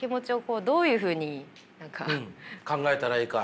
考えたらいいか。